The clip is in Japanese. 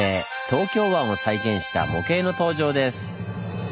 東京湾を再現した模型の登場です。